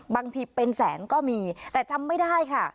บางทีเป็นแสนก็มีแต่จำไม่ได้ค่ะ